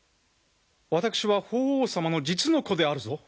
私は法皇様の実の子であるぞ！